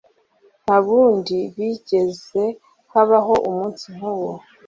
nta bundi higeze habaho umunsi nk'uwo